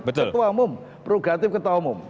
ketua umum perlu gantikan ketua umum